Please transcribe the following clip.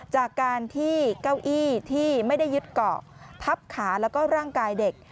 จากการที่เก้าอี้ที่ไม่ได้ยึดเกาะทับขาแล้วก็ร่างกายเด็ก